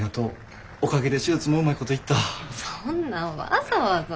そんなんわざわざ。